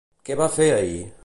Què va fer ahir?